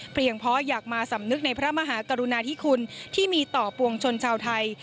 เพราะอยากมาสำนึกในพระมหากรุณาธิคุณที่มีต่อปวงชนชาวไทย